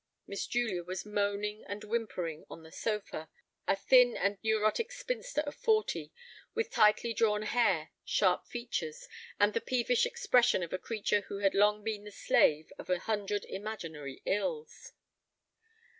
Miss Julia was moaning and whimpering on the sofa, a thin and neurotic spinster of forty with tightly drawn hair, sharp features, and the peevish expression of a creature who had long been the slave of a hundred imaginary ills.